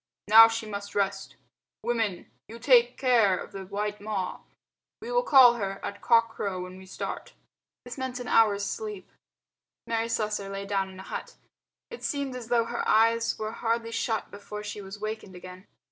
Now she must rest. Women, you take care of the white Ma. We will call her at cock crow when we start." This meant an hour's sleep. Mary Slessor lay down in a hut. It seemed as though her eyes were hardly shut before she was wakened again.